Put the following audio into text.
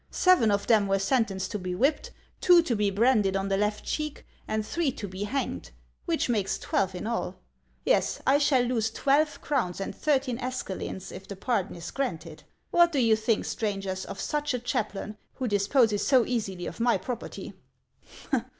Seven of them were sentenced to be whipped, two to be branded on the left cheek, and three to be hanged, which makes twelve in all. Yes, I shall lose twelve crowns and thirteen escalins if the pardon is granted. What do you think, strangers, of such a chaplain, who disposes so easily of my property?